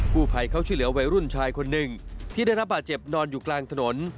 ผู้ภัยเขาช่วยเหลือวัยรุ่นชายคนหนึ่งที่ได้รับบาดเจ็บนอนอยู่กลางถนน